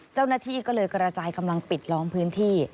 เจ้าหน้าที่ก็เลยกระจายกำลังปิดล้อมพื้นที่